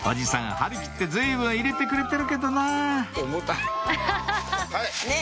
張り切って随分入れてくれてるけどなぁはい！